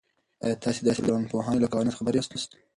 آیا تاسې د ټولنپوهنې له قوانینو خبر یاست؟